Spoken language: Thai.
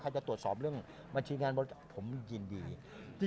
ถ้าจะตรวจสอบเรื่องบัญชีงานบริษัทผมยินดีที่